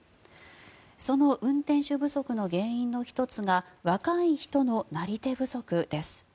その運転手不足の原因の１つが若い人のなり手不足です。